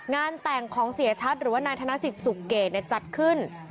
งานแต่งของเสียชัดหรือว่านายธนสิทธิสุเกตจัดขึ้น